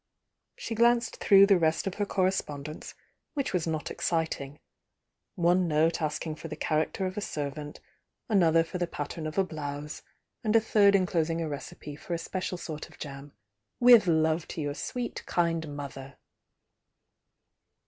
She glanced through the rest of her correspondence, which was not exciting, —one note asking for the character of a servant, 86 THE YOUNG DIANA another for the pattern of a blouse, and a third enclosing a recipe for a special sort of jam, "with love to your sweet kind mother!"